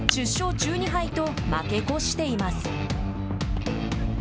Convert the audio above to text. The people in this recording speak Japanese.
１０勝１２敗と負け越しています。